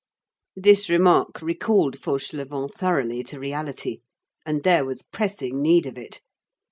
This remark recalled Fauchelevent thoroughly to reality, and there was pressing need of it.